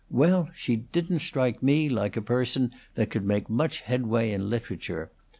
Well, she didn't strike me like a person that could make much headway in literature.